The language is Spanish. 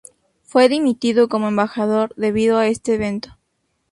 Fue dimitido como embajador debido a este evento.